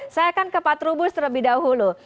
saya akan ke pak trubus terlebih dahulu